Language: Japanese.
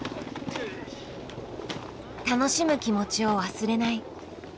「楽しむ気持ちを忘れない」。